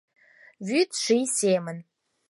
Вӱд ший семын